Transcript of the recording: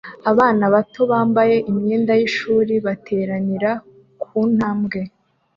Abana bato bambaye imyenda y'ishuri bateranira ku ntambwe